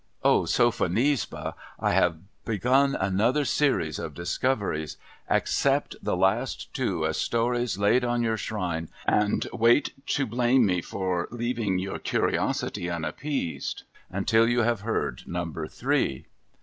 O Sophonisba, I have begun another series of discoveries! Accept the last two as stories laid on your shrine; and wait to blame me for leaving }our curiosity unappeased, until you have heard Number Three.'